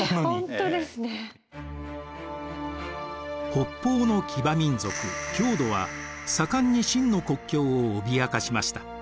北方の騎馬民族匈奴は盛んに秦の国境を脅かしました。